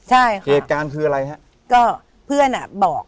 เหตุการณ์คืออะไรฮะ